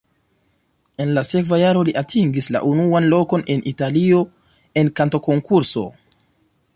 En la sekva jaro li atingis la unuan lokon en Italio en kantokonkurso.